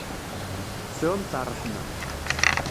Sɛumt ṛṛeḥma.